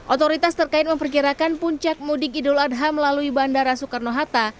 otoritas terkait memperkirakan puncak mudik idul adha melalui bandara soekarno hatta